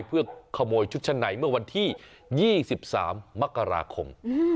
เพื่อขโมยชุดชั้นในเมื่อวันที่๒๓มกราคม